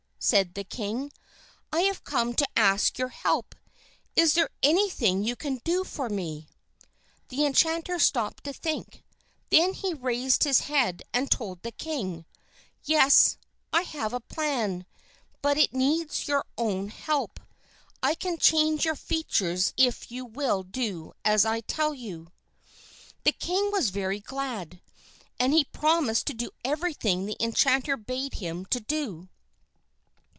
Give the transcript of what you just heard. said the king. "I have come to ask your help. Is there anything you can do for me?" The enchanter stopped to think, then he raised his head and told the king, "Yes; I have a plan, but it needs your own help. I can change your features if you will do as I tell you." The king was very glad, and he promised to do everything the enchanter bade him do.